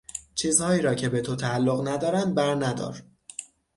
چیزهایی را که به تو تعلق ندارند بر ندار!